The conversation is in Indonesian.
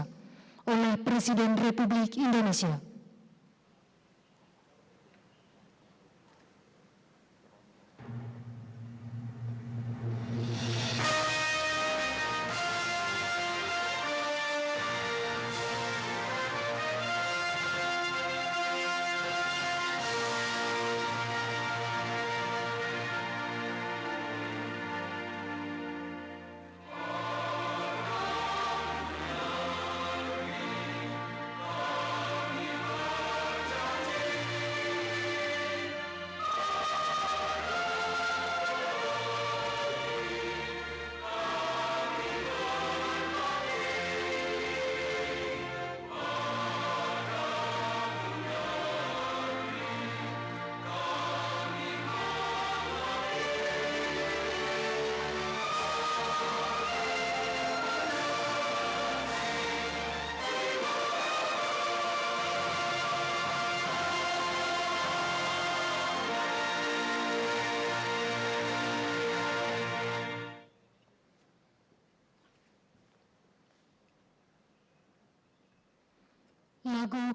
kepada komisaris jenderal polisi dr andos listio sigit pradu msi sebagai kepala kepolisian negara republik indonesia